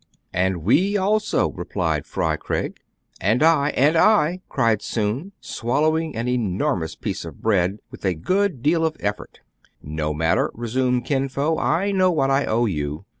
"And we also !" replied Fry Craig. "And I — and I!" cried Soun, swallowing an enormous piece of bread with a good deal of effort. " No matter," resumed Kin Fo :" I know what I owe you."